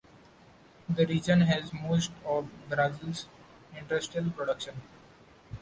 The region has most of Brazil's industrial production.